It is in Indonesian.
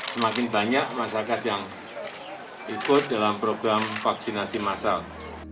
semakin banyak masyarakat yang ikut dalam program vaksinasi masal